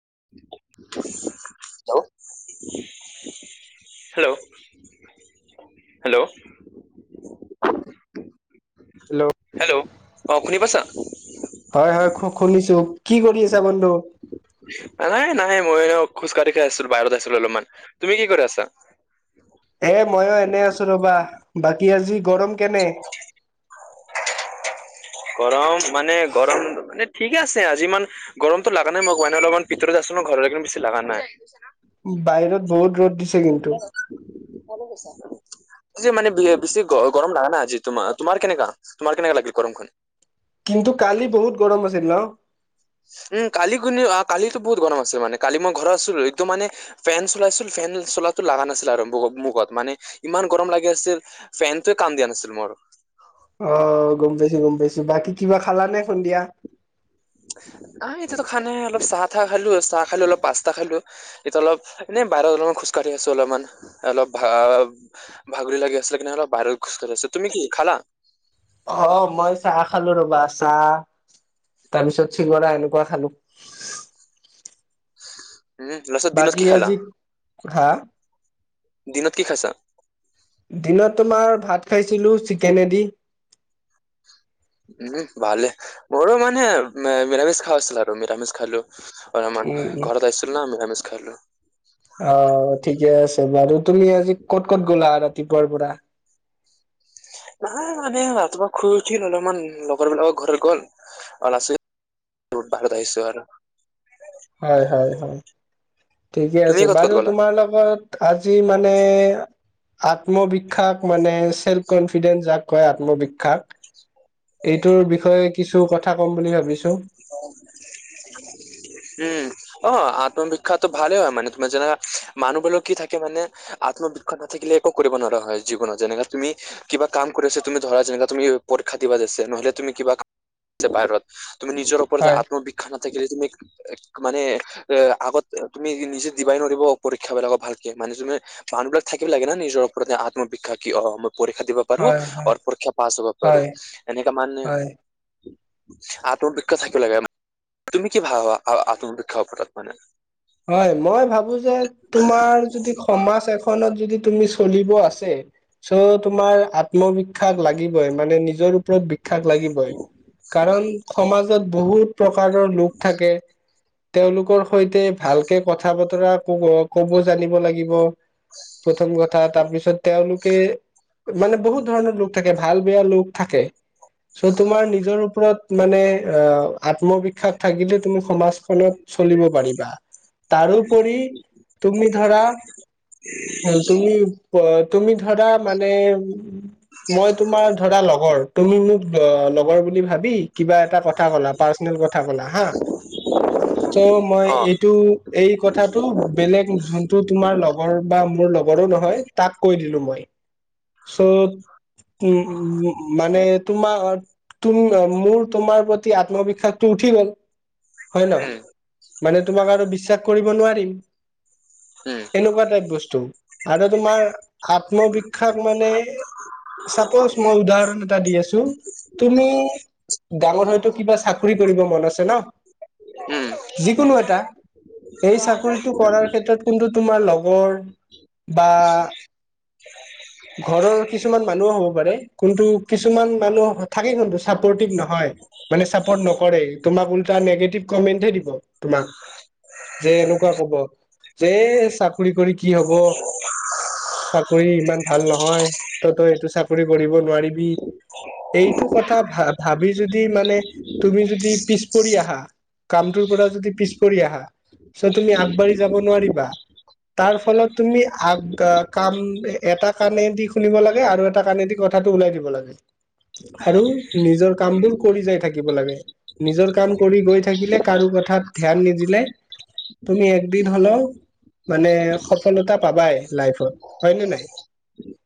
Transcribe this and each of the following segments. [unintelligible] Hello, hello? Hello? Hello hello? ' অ শুনি পাছা? হয় হয় শুনিছো কি কৰি আছা বন্ধু? নাই নাই, মই এনে খোজ কাঢ়ি‌ কে আছিল বাহিৰত আছিলো অলপমান তুমি কি কৰি আছা? এ ময়ো এনে আছো ৰবা বাকী আজি গৰম কেনে? [unintelligible] গৰম মানে গৰম মানে ঠিকে আছে আজি ইমান গৰমতটো লাগা নাই, মই ন অলপমান ভিতৰত আছো। কিন্তু বেছি লাগা নাই। বাহিৰত বহুত ৰ'দ দিছে কিন্তু। মান বিয়ে বেছি গ - গৰম লাগা নাই আজি তোমাৰ। তোমাৰ কেনেকা? তোমাৰ কেনেকা লাগিল গৰমখন? কিন্তু কালি বহুত গৰম আছিল ন? উম কালি কুনি আ কালিতো বহুত গৰম আছিল মানে। কালি মই ঘৰত আছিলো। একদম মানে ফেন চলাইছি ফেন চলাতো লাগা নাছিল আৰু বগ মুখত মানে ইমান গৰম লাগি আছিল ফেনটোৱে কাম দিয়া নাছিল মোৰ। অ গম পাইছো গম পাইছো বাকী কিবা খালা নে সন্ধিয়া? [inaudible] আহ এতিয়াতো খা নাই। অলপ চাহ ঠাহ খালো। চাহ খালো, অলপ পাচটা খালোঁ। ইটা অলপ এনে বাহিৰত অলপমান‌ খোজ কাঢ়ি আছো অলপমান। অলপ ভা - ভাগৰি লাগি আছিলে কানে অলপ বাহিৰত খোজকাঢ়ি আছো। তুমি কি খা লা অ' মই চাহ খালো ৰবা চাহ। তাৰ পিছত চিঙৰা এনেকুৱা খালোঁ। উম, লছত দিনত কি খালা? আজি হা দিনত কি খাইছা? দিনত তোমাৰ ভাত খাইছিলোঁ চিকেনেদি। উম, ভালে মোৰো মানে যে মিৰামিছ খা হৈছিল আৰু মিৰামিছ খালোঁ। আমাৰ উম উম ঘৰত আইছিলো না মিৰামিছ খালো। অ, ঠিকে আছে। বাৰু তুমি আজি ক'ত ক'ত গ'লা? তিপুৱাৰ পৰা। নাই মানে ৰাতিপুৱা খুই উঠিল। অলপমান লগৰ বিলাকৰ ঘৰত গল। অলাছিল ৰধ বাৰত আহিছোঁ আৰু। হয়, হয়, হয়। ঠিকে তুমি আছে। ক'ত ক'ত বাৰু গ'লা তোমাৰ লগত আজি মানে আত্মবিখ্যাক মানে চেল্ফ কনফিডেন্স যাক কয় আত্মবিখ্যাক এইটোৰ বিষয়ে কিছু কথা কম বুলি ভাবিছোঁ। [unintelligible] উম, অ আত্মবিখ্যাতটো ভালে হয় মানে তোমাৰ যেনেকা মানুহ বিলাক কি থাকে মানে আত্মবিখ্যাত নাথাকিলে একো কৰিব নোৱাৰা হয় জীৱনত। যেনেকা তুমি কিবা কাম কৰি আছা তুমি ধৰা যেনেকা তুমি পৰ‌ ক্ষা দিবা আছে নহলে তুমি কিবা বাহিৰত তুমি নিজৰ ওপৰতে হয় আত্মবিখ্যাত নাথাকিলে তুমি মানে এ আগত তুমি নিজে দিবাই নৰিব পৰীক্ষা বিলাকক ভালকে। মানে তুমি মানুহ বিলাক থাকিব লাগে নিজৰ ওপৰতে আত্ম বিখ্যাত কি অ পৰীক্ষা দিব পাৰো হয় হয় আৰু পৰীক্ষা পাছ হব পাৰো। হয় এনেকা মানে হয় আত্মবিখ্যাত থাকিব লাগে। তুমি কি ভাবা আত্মবিখ্যাত মানে? হয়, মই ভাবো যে তোমাৰ যদি সমাজ এখনত যদি তুমি চলিব আছে চ' তোমাৰ আত্মবিখ্যাত লাগিবই। মানে নিজৰ ওপৰত আত্মবিখ্যাত লাগিবই, কাৰণ সমাজত বহুত প্ৰকাৰৰ লোক থাকে তেওঁলোকৰ সৈতে ভালকে কথা বতৰা কব কব জানিব লাগিব। প্ৰথম কথা তাৰপিছত তেওঁলোকে মানে বহুত ধৰণৰ লোক থাকে। ভাল, বেয়া লোক থাকে। চ' তোমাৰ নিজৰ ওপৰত মানে অ। আত্মবিখ্যাত থাকিলে তুমি সমাজখনত চলিব পাৰিবা। তাৰোপৰি তুমি ধৰা তুমি অ, তুমি ধৰা মানে মই তোমাৰ ধৰা লগৰ। তুমি মোক লগৰ বুলি ভাবি কিবা এটা কথা ক'লা পাৰ্চনেল কথা ক'লা হা। চ' মই অ টো এই কথাটো বেলেগ যোনটো তোমাৰ লগৰ বা মোৰ লগৰো নহয় তাক কৈ দিলো মই। চ' উ-উ মানে তোমাৰ তুম মোৰ তোমাৰ প্ৰতি আত্মবিখ্যাতটো উঠি গল। হয় ন? উম মানে তোমাক আৰু বিশ্বাস কৰিব নোৱাৰিম। উম, এনেকুৱা টাইপ বস্তু। আৰু তোমাৰ আত্মবিখ্যাত মানে চাপজ মই উদাহৰণ এটা দি আছো। তুমি ডাঙৰ হয়তো কিবা চাকৰি কৰিব মন আছে ন উম, যিকোনো এটা এই চাকৰি চাকৰিটো কৰাৰ ক্ষেত্ৰত কিন্তু তোমাৰ লগৰ বা ঘৰৰ কিছুমান মানুহো হ'ব পাৰে কোনটো কিছুমান মানুহ থাকে কোন্তটো চাপৰ্টিভ নহয় চাপদ নকৰে তোমাক উলতাই নিগেটিভ কমেন্ট দিব তোমাক যে এনেকুৱা কব যে চাকৰি কৰি কি হব চাকৰি ইমান ভাল নহয় তই তই এইটো চাকৰি কৰিব নোৱাৰিবি এইটো কথা ভা ভাবি যদি মানে তুমি যদি পিছ পৰি আহা কামটোৰ পৰা যদি পিছ পৰি আহা চ তুমি আগবাঢ়ি যাব নোৱাৰিবা তাৰ ফলত তুমি আগ কাম এটা কাণেদি শুনিব লাগে আৰু এটা কাণেদি কথাটো ওলাই দিব লাগে আৰু নিজৰ কামবোৰ কৰি যাই থাকিব লাগে নিজৰ কাম কৰি গৈ থাকিলে কাৰো কথাত ধ্যান নিদিলে তুমি একদিন হলেও মানে সফলতা পাবাই লাইফত হয় নে নাই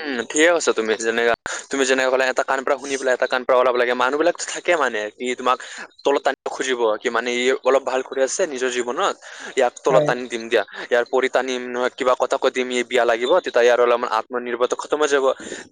উম ঠিকে আছা তুমি যেনে তুমি যেনে কলা এটা কাণ পৰা শুনি পেলাই এটা কণ পৰা অল লাগে মানুহ বিলাক থাকে মানে কি তোমাক তলত টানিব খুজিব কি মানে ই অলপ ভাল কৰি আছে নিজৰ জীৱনত ইয়াক তলত হয় টানি দিম দিয়া ইয়াৰ পৰি টানিম নহয় কিবা কথা কৈ দিম বিয়া লাগিব তেতিয়া ইয়াৰ হ'লে আমাৰ আত্মনিৰ্ভৰতটো খতম হৈ যাব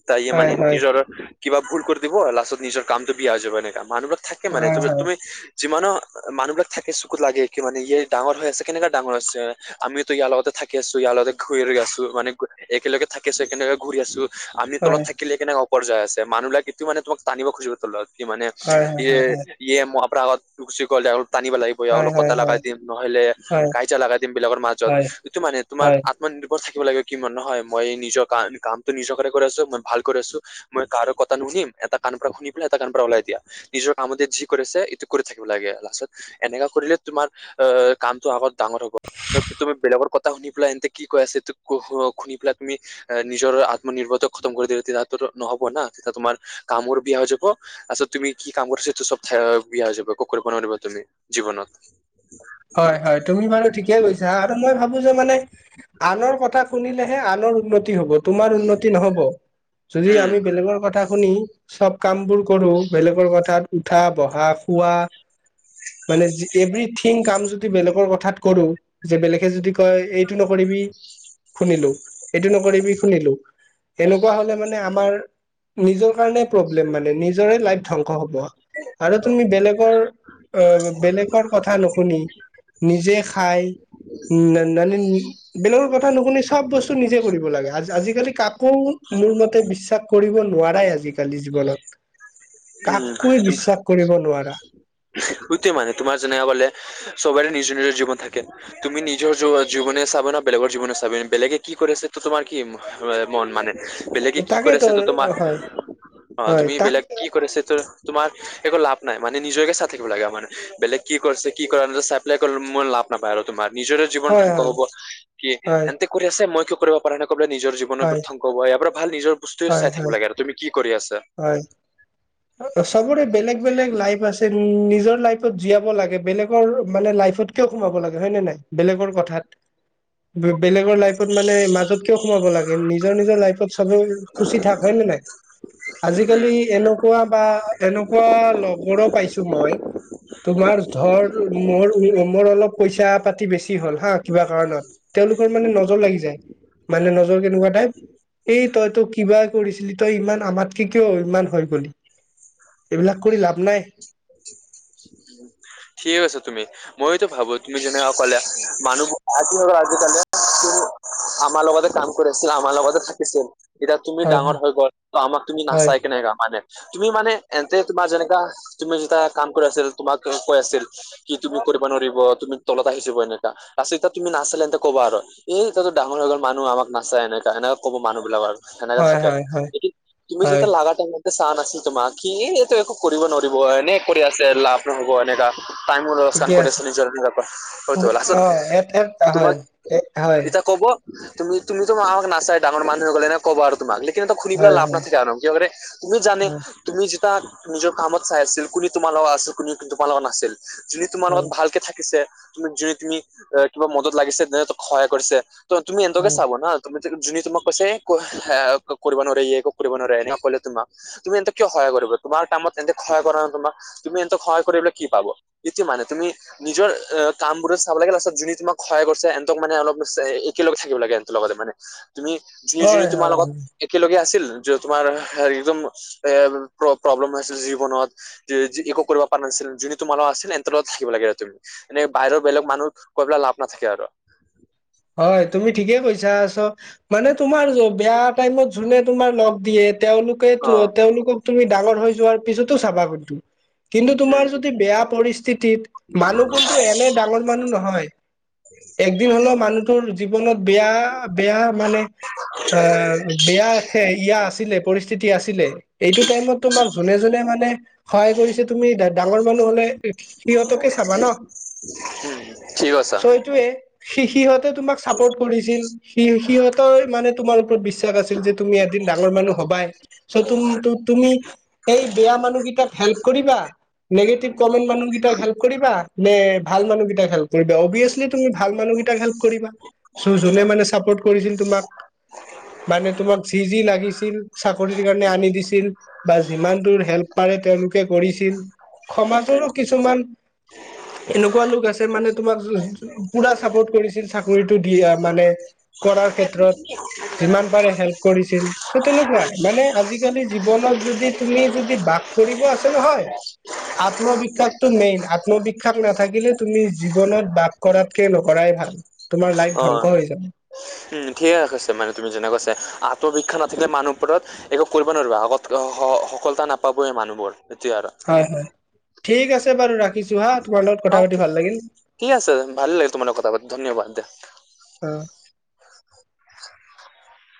তাই মান হয় হয় নিজৰ কিবা ভুল কৰি দিব লাষ্টত নিজৰ কামটো বিয়া হৈ যাব এনেকা মানুহ থাকে মানে হয় তুমি হয় তুমি যিমানো মানুহ বিলাক থাকে চকুত লাগে কি মানে ইয় ডাঙৰ হৈ আছে কেনেকা ডাঙৰ আছে আমিটো ইয়াৰ লগতে থাক আছো ইয়াৰ লগতে ঘূৰি আছো মানে একেলগে থাকি কেনেকে ঘূৰি আছো আমি তলত হয় থাকিলে কেনেকে ওপৰা যায় আছে মানুহবাকটো মানে তোমাক টানিব খুজিব তলত কি মানে হয় হয় ইয়ে হয় ইয়ে ম পৰা আগ টানিব লাগিব ই হয় অলপ হয় কটা লগাই দিম নহলে হয় কাজিয়া লগাই দিম বিলাকৰ মাজত সটো মানে তোমাৰ হয় আত্মনিৰ্ভৰ থাক লাগে কিমান নহয় মই নিজৰ ক কামটো নিজৰ কাৰ কৰি আছো মই ভাল কৰি আছো মই কাৰো কথা নুনিম এটা কানৰ পৰা শুনি পেলাই এটা কান ওলাই দিয়া নিজৰ কাম যি কৰিছে এইটো কৰি থাকিব লাগে লাষ্টত এনেকা কৰিলে তোমাৰ অ কামটো আগত ডাঙৰ হব ন তুমি বেলেগৰ কথা শুনি পেলাই এনেতে কি কৈ আছে শুনি পেলাই তুমি নিজৰ আত্মনিৰ্ভৰশীল খতম কৰি দিলা তেতিয়াতো নহবা তেতিয়া তোমাৰ কামৰ বেয়া হৈ যাব পিছত তুমি কি কাম কৰিছা এইটো চব বেয়া হৈ যাব একো কৰিব নোৱাৰিবা তুমি জীৱনত। হয় হয় তুমি বাৰু ঠিকে কৈছা আৰু মই ভাবো যে মানে। আনৰ কথা শুনিলেহে আনৰ উন্নতি। হব তোমাৰ উন্নতি নহব যদি উম আমি বেলেগৰ কথা শুনি চব। কামবোৰ কৰোঁ বেলেগৰ কথাত উঠা বহা খোৱা। মানে অভৃথিং। কাম যদি বেলেগৰ কথাত কৰো যে বেলেগে যদি কয় এইটো নকৰিবি। শুনিলোঁ এইটো নকৰিবি শুনিলোঁ এনেকুৱা হলে মানে আমাৰ। নিজৰ কাৰণে প্ৰব্লেম মানে নিজৰে লাইফ ধ্বংস হ'ব। আৰু তুমি বেলেগৰ অ বেলেগৰ কথা নোশুনি। নিজে খাই। উম নানা বেলেগৰ কথা নুশুনি চব বস্তু নিজে কৰিব লাগে হাজাৰ। কাকো মোৰ মতে বিশ্বাস কৰিব নোৱাৰাই আজিকালি জীৱনত। কাকোয়েই বিশ্বাস কৰিব নোৱাৰা। উহ। সেইটোয়ে মানে তোমাৰ যেনেকা কলে চবৰে নিজৰ নিজৰ জীৱন থাকে তুমি নিজৰ জীৱনে চাব। বেলেগৰ জীৱনে চাবি বেলেগে কি কৰিছে তো তোমাৰ কি মন মানে। বেলেগে কি কৰি তাকেতো আছে ত তোমাৰ। হয় অ হয় তুমি তাক বেলেগ কি কৰিছে তোমাৰ একো লাভ নাই। মানে নিজেকে চাই থাকিব লাগে আমাৰ বেলেগ কি কৰিছে কি চাই পেলাই লাভ নাপায় আৰু তোমাৰ। নিজৰ জীৱন হয় ধং হয় হ'ব কি হয় সিহঁতে কৰি আছে মই কিয় কৰিব পাৰা নাই। সেইফালে নিজৰ জীৱনৰ হয় ধ্বংস ইয়াৰ পৰা ভাল নিজৰ বস্তুৱয়ে হয় চাই থাকিব হয় লাগে আৰু তুমি কি কৰি আছা। হয় চবৰে বেলেগ বেলেগ লাইফ আছে নিজৰ। নিজৰ লাইফত জিয়াব লাগে বেলেগে লাইফত কিয় সোমাব লাগে হয় ন নাই বেলেগৰ কথাত। বেলেগৰ লাইফত মানে মাজত কিয় সোমাব লাগে নিজৰ নিজৰ লাইফত। চবে খুচি থাক হয় নে নাই। উম আজিকালি এনেকুৱা বা এনেকুৱা লগৰো পাইছোঁ মই। তোমাৰ ধৰ মোৰ মোৰ অলপ পইচা পাতি বেছি হ'ল হা কিবা কাৰণত। তেওঁলোকৰ মানে নজৰ লাগি যায় মানে নজৰ কেনেকুৱা টাইপ এই। তই তো কিবাই কৰিছিলি তই ইমান আমাতকে কিয় ইমান হৈ গলি। এইবিলাক কৰি লাভ নাই ঠিক আছ তুমি মই। ভাব তুমি যেনেকুৱা ক'লা মানুহ আজি আজি কালি। আমাৰ লগতে কাম কৰিছিল আমাৰ লগতে থাকিছিল। এতিয়া তুমি হয় ডাঙৰ হৈ গ'ল ত আমাক তুমি হয়, নাচাই কেনেকা মানে তুমি মানে। তে তোমাৰ যেনেকা তুমি যেতিয়া কাম কৰি আছিল তোমাক কৈ আছিল কি তুমি কৰিব নোৱাৰিব তুমি। তলত আহি জাব আচলতে ত তুমি নাছিলে ইহঁতে ক'বা আৰু এই এতিয়া ডাঙৰগ মানুহ আমক নাচাই এনেকা এনে। ক'ব মানুহ বিলাক আৰু সেনেকে হয়, থাকে হয়, হয়, এ তুমি হয়, যেতিয়া লাগা টাইম চোৱা নাছিল তোমাক কি। একো কৰিব নোৱাৰিব এনে কৰি আছে লাভ নহ'ব এনেকা। টাইমো লোকচান কৰি আছে নিজৰ ঘৰৰ পৰা হয়তো অ', এট এট তোমাক হয়, এ হয়, এতিয়া কব। তুমি তুমি তো আমাকা নাচাই ডাঙৰ মানুহ 'হয় গলা এনেকা কব আৰু তোমাক। সিহঁতৰ শুনি পেলাই হয়, লাভ হয়, নাথাকে আৰু কিয় কৰে তুমি জানে হয়, তুমি যেতিয়া। নিজৰ কামত চাই আছিল কোনে তোমাৰ লগত আছিল কোনে তোমাৰ লগত নাছিল যোনে তোমাৰ লগত হয়, ভালকে থাকিছে। তুমি জোনে তোনে তুমি কিবা মদত লাগিছে জোনে সহায় কৰিছে ত তুমি সিহঁতকে হয়। চাবা না তুমি। যোনে তোমাক কৈছে ক ক কৰিব নোৱাৰিে ই কৰিব নোৱাৰে এনে কলে তোমাক তুমি সিহঁতক কিয় সহায় কৰিব। তোমাৰ কামত এন্তে সহয় কৰা নাই তোমাক তুমি এন্তে সহায় কৰিবলে কি পাব এইটো মানে তুমি নিজৰ। [unintelligible] কামবোৰত চাব লাগে তাৰপাছত যোনে তোমাক কহয় কৰিছে ইহঁতৰ মানে অলপ একেলগে থাক লাগে ইহঁতৰ লগতে মানে। [unintelligible] তুমি যোনে যোনে হয়, তোমাৰ হয়, লগত একেলগে আছিল যে তোমাৰ একদম এ প্ৰ। প্ৰব্লেম হৈছিল জীৱনত একো কৰিব পৰা নাছিল যোন তোমাৰ লগত আছিলে ইহঁতৰ লগত থাকিব লাগে আৰু তুমি। বাহিৰৰ বেলেগ মানুহ কৈ পেলাই লাভ নাথাকে আৰু। হয় তুমি ঠিকে কৈছা আছ মানে তোমাৰ য বেয়া। টাইমত যোনে তোমাৰ লগ দিয়ে তেওঁলোকে অ তেওঁলোকক- তুমি ডাঙৰ হৈ যোৱাৰ পিছতো চাবা স কিন্তু তোমাৰ উম যদি বেয়া পৰি। টিতিত মানুহ কোনটো এনে ডাঙৰ মানুহ নহয় একদিন হলেও মানুহ জীৱনত বেয়া বেয়া মানে বেয়া। আছিলে পৰিস্থিতি আছিলে এইটো তায়মত তোমাক জোনে জোনে মানে সহায় কৰিছে তুমি ডাঙৰ মানুহ হ'লে- সিহঁতকে চাবা ন উম ঠিক কৈছা চটোৱে সি সিহঁতে তোমাক চাপৰ্ট কৰিছিল স সিহতৰ মানে তোমাৰ ওপৰত বিশ্বাস আছিল যে তুমি এদিন ডাঙৰ মানুহ হ'বা। চঅ, তুমি এই বেয়া মানুহ কেইটাত হেল্প কৰিবা নিগেটিভ কমেন মানুহকেই হেল্প কৰিবা নে ভাল মানুহকেই হেল্প কৰিবা অভিয়াচলি তুমি ভাল মানুহ- মানুহ কিতাক হেল্প কৰিবা চ জো মানে চাপৰ্ কৰিছিল তোমাক- মানে তোমাক যি যি লাগিছিল চাকৰিৰ কাৰণে আনি দিছিল বা যিমান দৰ হেল্প প- তেওঁলোকে কৰিছিল উম সমাজৰো কিছুমান,। এনেকুৱা লোক আছে মানে তোমাক পুৰা চাপৰ্ট কৰিছিল। চাকৰিটো দি মানে [unintelligible] কৰাৰ ক্ষেত্ৰত [inaudible] যিমান পাৰে হেল্প কৰিছিল চ' তেনেকুৱাই মানে আজিকালি জীৱনত যদি তুমি যদি। তাগ কৰিব আছে নহয়। আত্মবিশ্বাসটো মেইন আত্মবিশ্বাস নাথাকিলে তুমি জীৱনত বাস কৰাতকে নকৰাই ভ তোমাৰ লাইফ ধ্বংস হৈ যাব। [unintelligible] উ ঠিকে কৈছে মানে তুমি যেনে কৈছ আত্মবিশ্বাস নাথাকিলে মানুহ ওপৰত একো কৰিব নোৱাৰিবা আগত সফলতা নাপাবয় মানুহবোৰ এতিয়া হয় হয় আৰু ঠিক আছে বাৰু ৰাখিছোঁ হা তোমাৰ লগত অ কথা পাতি ভাল লাগিল ঠিক আছে ভাল লাগে তোমাৰ কথা পাতি ধন্যবাদ দে অ।